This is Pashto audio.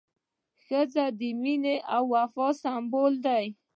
ښځه د مینې او وفا سمبول ده.